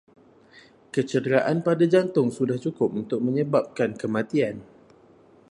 Kecederaan pada jantung sudah cukup untuk menyebabkan kematian